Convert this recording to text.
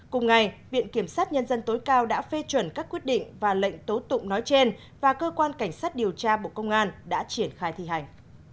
cùng ngày viện kiểm sát nhân dân tối cao đã phê chuẩn các quyết định và lệnh tố tụng nói trên và cơ quan cảnh sát điều tra bộ công an đã triển khai thi hành